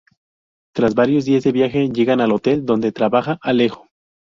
Tras varios días de viaje, llegan al hotel donde trabaja Alejo.